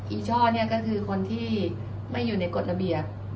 อช่อเนี่ยก็คือคนที่ไม่อยู่ในกฎระเบียบ